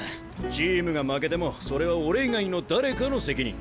チームが負けてもそれは俺以外の誰かの責任。